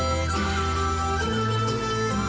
โอ้โหโอ้โหโอ้โหโอ้โห